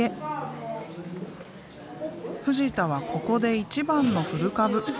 藤田はここで一番の古株。